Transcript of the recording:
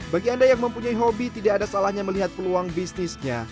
bagi anda yang mempunyai hobi tidak ada salahnya melihat peluang bisnisnya